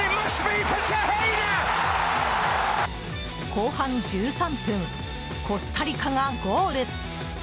後半１３分コスタリカがゴール。